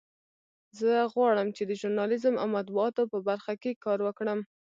زه غواړم چې د ژورنالیزم او مطبوعاتو په برخه کې کار وکړم